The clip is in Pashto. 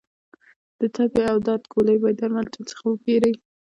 د تبې او درد ګولۍ باید درملتون څخه وپېری